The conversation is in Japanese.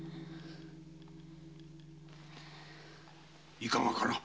いかがかな？